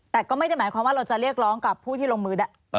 แต่ก็ไม่ได้หมายความว่าเราจะเรียกร้องกับผู้ที่ลงมือ